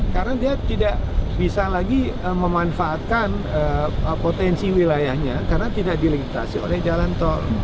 karena dia tidak bisa lagi memanfaatkan potensi wilayahnya karena tidak dilengitasi oleh jalan tol